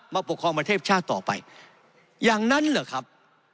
ปกครองประเทศชาติต่อไปอย่างนั้นเหรอครับ